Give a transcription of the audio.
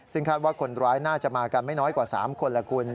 ซึ่งคาดว่าคนร้ายน่าจะมากันไม่น้อยกว่า๓คนละคุณ